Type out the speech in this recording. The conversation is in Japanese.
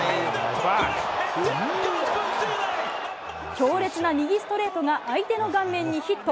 強烈な右ストレートが相手の顔面にヒット！